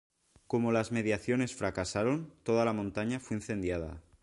Como las mediaciones fracasaron, toda la montaña fue incendiada.